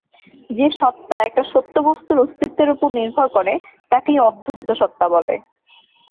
যে সত্তা একটা সত্য বস্তুর অস্তিত্বের উপর নির্ভর করে, তাকেই অধ্যস্ত সত্তা বলে।